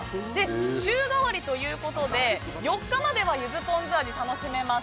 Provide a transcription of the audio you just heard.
週替わりということで４日まではゆずポン酢味が楽しめます。